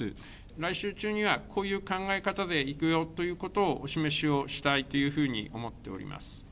来週中にはこういう考え方でいくよということをお示しをしたいというふうに思っております。